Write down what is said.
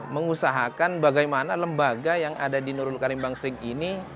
mengusahakan bagaimana lembaga yang ada di nurul karimbang sering ini